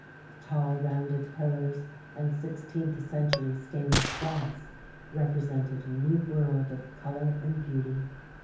The tall rounded pillars and sixteenth century stained glass represented a new world of color and beauty.